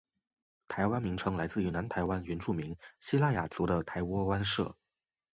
“台湾”名称来自于南台湾原住民西拉雅族的台窝湾社。